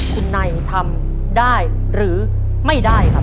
คุณนายทำได้หรือไม่ได้ครับ